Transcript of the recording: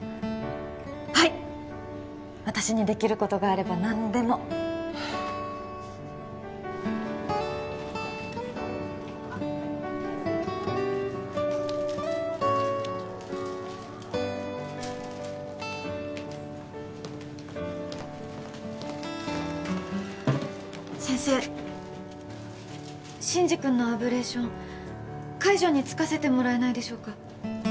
はい私にできることがあれば何でも先生真司君のアブレーション介助につかせてもらえないでしょうか？